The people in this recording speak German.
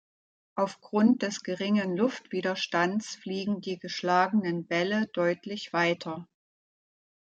Aufgrund des geringen Luftwiderstands fliegen die geschlagenen Bälle deutlich weiter.